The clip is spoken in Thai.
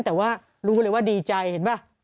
แต่ว่ารู้ให้ดีใจเห็นปะ